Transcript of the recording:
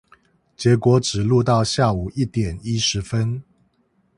結果只錄到下午一點一十分